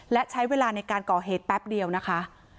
และใช้เวลาในการก่อเหตุแป๊บเดียวนะคะ